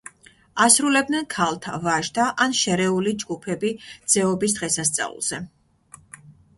ასრულებდნენ ქალთა, ვაჟთა ან შერეული ჯგუფები „ძეობის“ დღესასწაულზე.